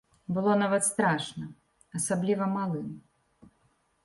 Было нават страшна, асабліва малым.